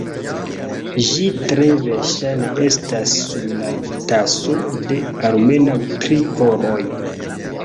Ĝi tre verŝajne estas sur la taso de almenaŭ tri horoj.